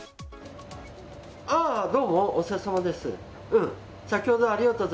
あ、どうも、お世話様です。